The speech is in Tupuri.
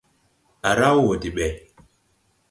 Á raw wɔ de ɓɛ.